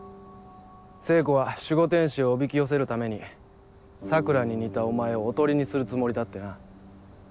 聖子は守護天使をおびき寄せるために桜に似たお前をおとりにするつもりだってな。